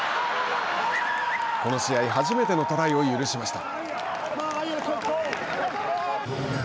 この試合、初めてのトライを許しました。